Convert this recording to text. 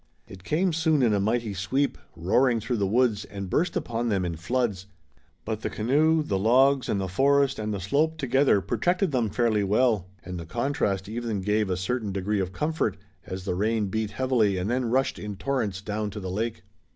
It came soon in a mighty sweep, roaring through the woods, and burst upon them in floods. But the canoe, the logs and the forest and the slope together protected them fairly well, and the contrast even gave a certain degree of comfort, as the rain beat heavily and then rushed in torrents down to the lake.